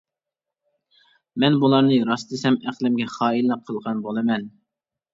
مەن بۇلارنى راست دېسەم ئەقلىمگە خائىنلىق قىلغان بولىمەن.